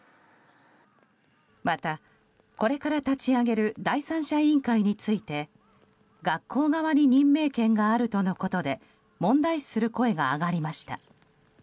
また、これから立ち上げる第三者委員会について学校側に任命権があるとのことで問題視する声が上がりました。